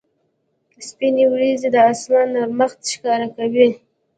سپینې ورېځې د اسمان نرمښت ښکاره کوي.